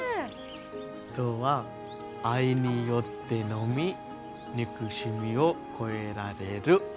人は愛によってのみ憎しみを越えられる。